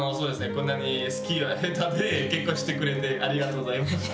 こんなにスキーは下手で結婚してくれてありがとうございました。